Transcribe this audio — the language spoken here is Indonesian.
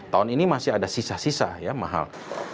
tahun ini masih ada sisa sisa ya mahal